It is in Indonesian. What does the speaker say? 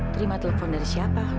terima telepon dari siapa